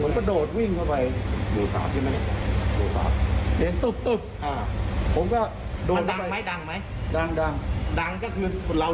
ดังก็คือเรารู้ว่าเป็นเครื่องพื้น